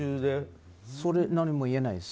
何も言えないです。